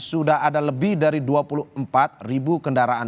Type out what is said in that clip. sudah ada lebih dari dua puluh empat ribu kendaraan